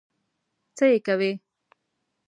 څه یې کوې؟